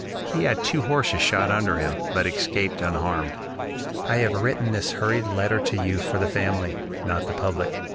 He had two horses shot under him, but escaped unharmed. "I have written this hurried letter to you for the family, not the public.